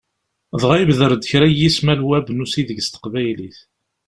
Dɣa ibder-d kra n yismal Web n usideg s Teqbaylit.